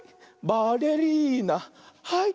「バレリーナ」はい。